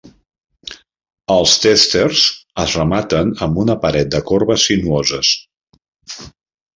Els testers es rematen amb una paret de corbes sinuoses.